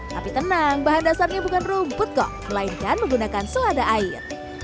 tapi tenang bahan dasarnya bukan rumput kok melainkan menggunakan selada air